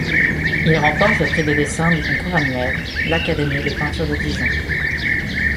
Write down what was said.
Il remporte le prix de dessin du concours annuel l'Académie de peinture de Dijon.